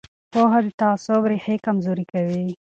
پوهه د تعصب ریښې کمزورې کوي